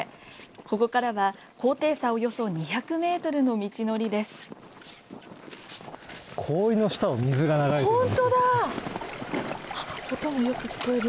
ここからは高低差およそ２００ｍの道のりです。